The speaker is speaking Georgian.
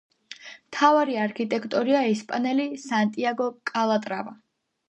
მთავარი არქიტექტორია ესპანელი სანტიაგო კალატრავა.